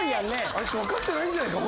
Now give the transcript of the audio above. あいつ分かってないんじゃないか？